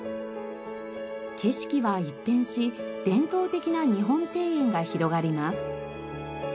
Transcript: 景色は一変し伝統的な日本庭園が広がります。